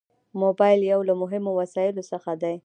موبایل یو له مهمو وسایلو څخه دی.